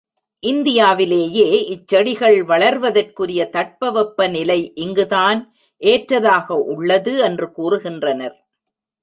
இந்தியாவிலேயே இச்செடிகள் வளர்வதற்குரிய தட்ப வெப்பநிலை இங்கு தான் ஏற்றதாக உள்ளது என்று கூறுகின்றனர்.